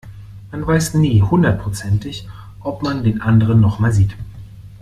Man weiß nie hundertprozentig, ob man den anderen noch mal sieht.